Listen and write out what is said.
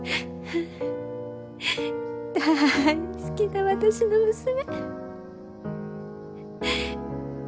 だい好きな私の娘。